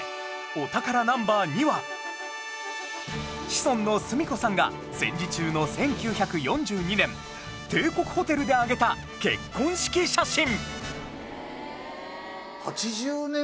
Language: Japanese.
お宝 Ｎｏ．２ はシソンの純子さんが戦時中の１９４２年帝国ホテルで挙げた結婚式写真